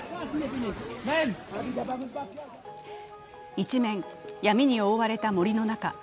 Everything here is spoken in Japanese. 一面、闇に覆われた森の中。